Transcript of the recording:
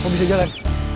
kok bisa jalan